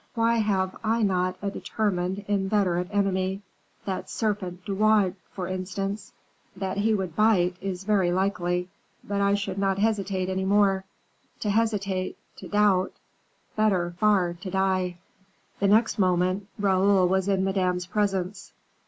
Why have I not a determined, inveterate enemy that serpent, De Wardes, for instance; that he would bite, is very likely; but I should not hesitate any more. To hesitate, to doubt better, far, to die." The next moment Raoul was in Madame's presence.